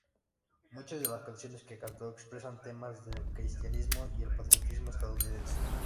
Muchas de las canciones que cantó expresaban temas del cristianismo y el patriotismo estadounidense.